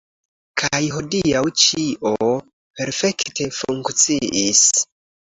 Kaj hodiaŭ ĉio perfekte funkciis.